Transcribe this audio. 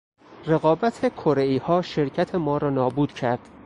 رقابت کرهایها شرکت ما را نابود کرد.